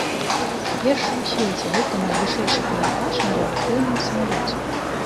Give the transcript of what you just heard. Першым у свеце выканаў вышэйшы пілатаж на рэактыўным самалёце.